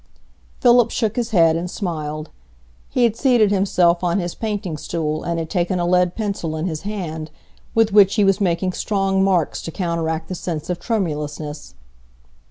Philip shook his head and smiled. He had seated himself on his painting stool, and had taken a lead pencil in his hand, with which he was making strong marks to counteract the sense of tremulousness.